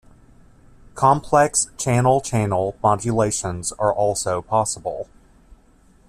Complex channel-channel modulations are also possible.